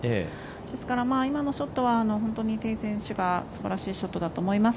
ですから、今のショットは本当にテイ選手が素晴らしいショットだと思います。